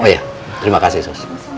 oh iya terima kasih